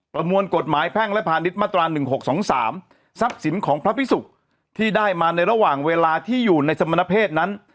ประมวลกฎหมายแพ่งและพาณิชย์มาตรา๑๖๒๓ทรัพย์สินของพระพิสุกที่ได้มาในระหว่างเวลาที่อยู่ในสมณเพศนั้น